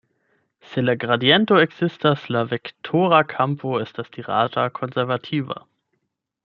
Se la gradiento ekzistas, la vektora kampo estas dirata konservativa.